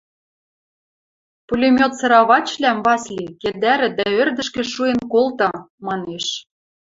– Пулемет сыравачвлӓм, Васли, кедӓрӹ дӓ ӧрдӹжкӹ шуэн колты, – манеш.